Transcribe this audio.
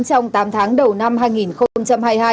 trong tám tháng đầu năm hai nghìn hai mươi hai